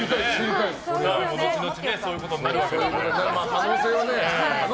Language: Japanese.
後にそういうことになるわけだから。